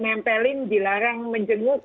menempelin dilarang menjenguk